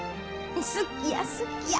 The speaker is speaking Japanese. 好きや好きや。